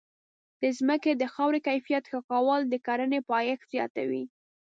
د ځمکې د خاورې کیفیت ښه کول د کرنې پایښت زیاتوي.